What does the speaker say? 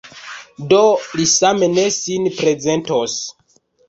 Do li same ne sin prezentos.